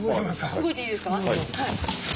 動いていいですか？